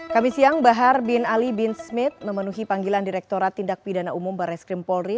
kami siang bahar bin ali bin smith memenuhi panggilan direkturat tindak pidana umum barreskrim polri